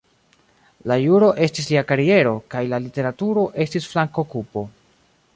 La juro estis lia kariero, kaj la literaturo estis flank-okupo.